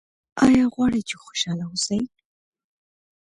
ایا غواړئ چې خوشحاله اوسئ؟